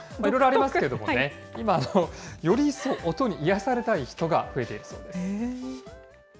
いろいろありますけどね、今、より一層、音に癒やされたい人が増えているそうです。